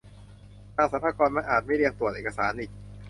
ทางสรรพากรอาจไม่เรียกตรวจเอกสารอีก